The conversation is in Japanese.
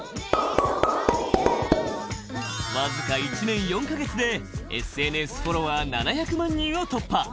わずか１年４か月でＳＮＳフォロワー７００万人を突破。